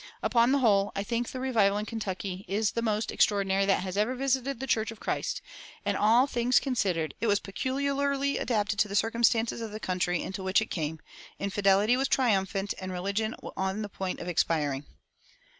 Upon the whole, I think the revival in Kentucky the most extraordinary that has ever visited the church of Christ; and, all things considered, it was peculiarly adapted to the circumstances of the country into which it came. Infidelity was triumphant and religion was on the point of expiring.